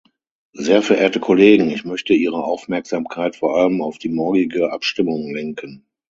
Sehr verehrte Kollegen, ich möchte Ihre Aufmerksamkeit vor allem auf die morgige Abstimmung lenken.